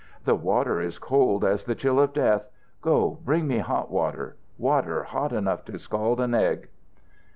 "The water is cold as the chill of death. Go, bring me hot water water hot enough to scald an egg."